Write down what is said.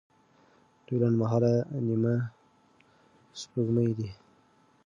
دوی لنډمهاله نیمه سپوږمۍ دي.